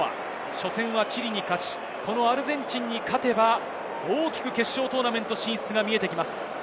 初戦はチリに勝ち、アルゼンチンに勝てば大きく決勝トーナメント進出が見えてきます。